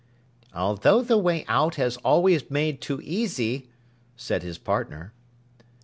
'Although the way out has been always made too easy,' said his partner.